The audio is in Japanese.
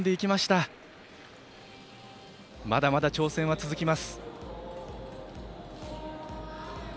まだまだ挑戦は続きます。